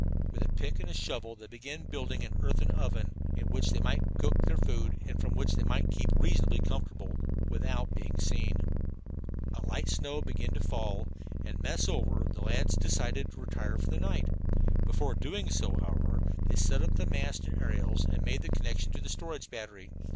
With pick and shovel they began building an earthen oven, in which they might cook their food, and from which they might keep reasonably comfortable, without being seen. A light snow began to fall, and, mess over, the lads decided to retire for the night. Before doing so, however, they set up the mast and aerials and made the connection to the storage battery.